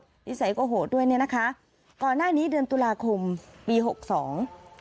นิสัยก็โหดด้วยเนี้ยนะคะก่อนหน้านี้เดือนตุลาคมปีหกสอง